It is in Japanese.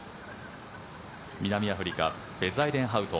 南アフリカベザイデンハウト。